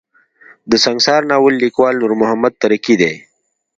د سنګسار ناول ليکوال نور محمد تره کی دی.